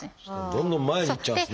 どんどん前にいっちゃうんですね。